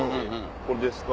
「これですか？」